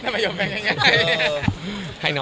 ประโยคยังง่าย